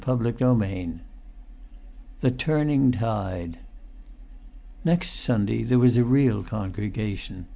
[Pg 335] XXVIII THE TURNING TIDE Next Sunday there was a real congregation.